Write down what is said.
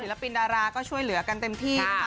หลายคนศิลปินดาราก็ช่วยเหลือกันเต็มที่